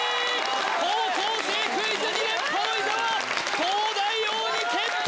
高校生クイズ２連覇の伊沢東大王に決定